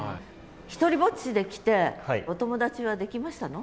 独りぼっちで来てお友達はできましたの？